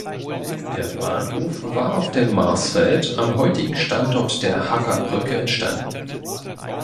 Der Bahnhof war auf dem Marsfeld am heutigen Standort der Hackerbrücke entstanden.